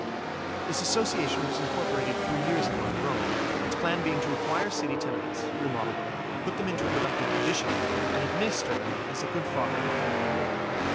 This Association was incorporated three years ago in Rome, its plan being to acquire city tenements, remodel them, put them into a productive condition, and administer them as a good father of a family would.